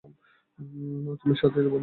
তুমি স্বাতীর বন্ধু, ঠিক?